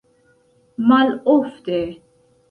malofte